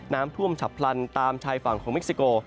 น้ำท่วมฉับพลันตามชายฝั่งของเม็กซิโก